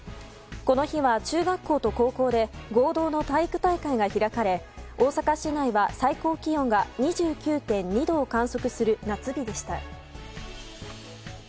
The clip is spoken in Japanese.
この日は、中学校と高校で合同の体育大会が開かれ大阪市内は最高気温が２９．２度を観測する夏日でした。